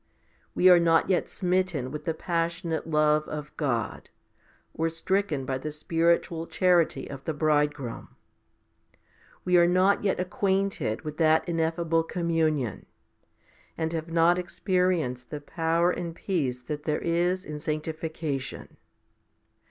We are not yet smitten with the passionate love of God, or stricken by the spiritual charity of the Bridegroom. We are not yet acquainted with that ineffable communion, and have not experienced the power and peace that there is in sanctification.